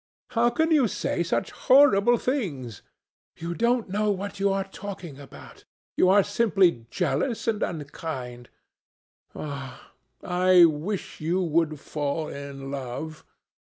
How can you say such horrible things? You don't know what you are talking about. You are simply jealous and unkind. Ah! I wish you would fall in love.